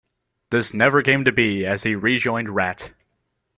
This never came to be, as he rejoined Ratt.